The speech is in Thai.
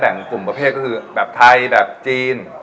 แต่งกลุ่มประเภทก็คือแบบไทยแบบจีน